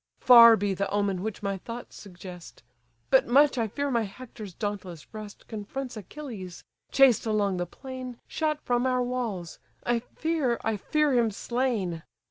Far be the omen which my thoughts suggest! But much I fear my Hector's dauntless breast Confronts Achilles; chased along the plain, Shut from our walls! I fear, I fear him slain!